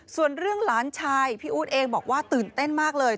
ส่วนเรื่องหลานชายพี่อู๊ดเองบอกว่าตื่นเต้นมากเลย